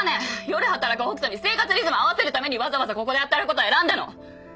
夜働く北斗に生活リズム合わせるためにわざわざここで働くこと選んだの。